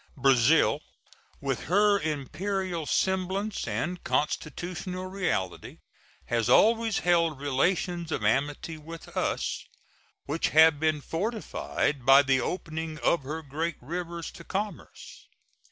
Brazil, with her imperial semblance and constitutional reality, has always held relations of amity with us, which have been fortified by the opening of her great rivers to commerce.